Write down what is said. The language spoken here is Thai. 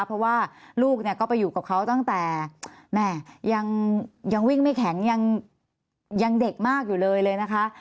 เพราะว่าลูกเนี่ยก็ไปอยู่กับเขาตั้งแต่แม่ยังวิ่งไม่แข็งยังเด็กมากอยู่เลยเลยนะคะ